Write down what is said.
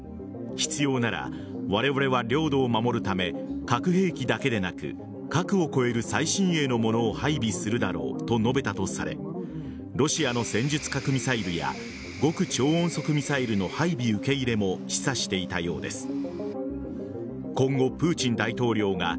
必要ならわれわれは領土を守るため核兵器だけでなく核を超える最新鋭のものを配備するだろうと述べたとされロシアの戦術核ミサイルや極超音速ミサイルの配備受け入れも示唆していたようです。